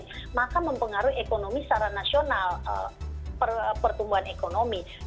itu akan mengaruhi ekonomi secara nasional pertumbuhan ekonomi